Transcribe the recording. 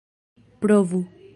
provu